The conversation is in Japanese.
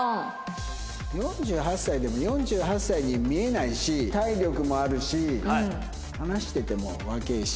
４８歳でも４８歳に見えないし体力もあるし話してても若えし。